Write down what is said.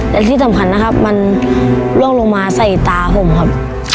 และที่สำคัญนะครับมันล่วงลงมาใส่ตาผมครับ